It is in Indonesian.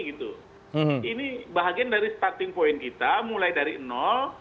ini bahagian dari starting point kita mulai dari nol